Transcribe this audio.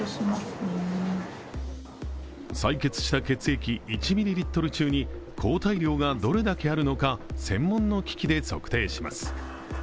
採血した血液１ミリリットル中に抗体量がどれだけあるのか専門の機器で測定します。